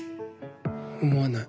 思わない。